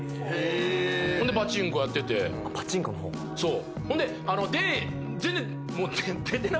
えーほんでパチンコやっててパチンコのほう？